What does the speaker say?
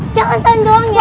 jangan saling dorong ya